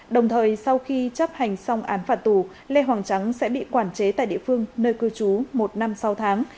đồng thời sau khi chấp hành xong án phạt tù lê hoàng trắng sẽ bị quản chế tại địa phương nơi cư trú một năm sáu tháng